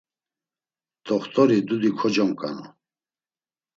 T̆oxt̆ori dudi koconǩanu.